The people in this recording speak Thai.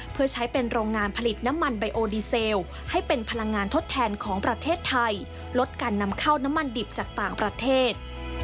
เพื่อใช้เป็นโรงงานผลิตน้ำมันไบโอดีเซลให้เป็นพลังงานทดแทนของประเทศไทยลดการนำเข้าน้ำมันดิบจากต่างประเทศ